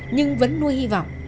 nhưng vẫn nuôi hy vọng